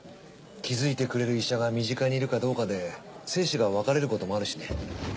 気づいてくれる医者が身近にいるかどうかで生死が分かれることもあるしね。